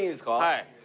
はい。